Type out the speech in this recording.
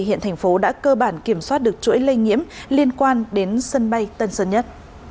hiện thành phố đã cơ bản kiểm soát được chuỗi lây nhiễm liên quan đến sân bay tân sơn nhất